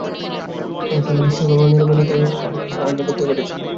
এর ফলে বিস্ময়করভাবে নীরবেনিভৃতে সংশ্লিষ্ট আইনের ব্যত্যয় ঘটেছে।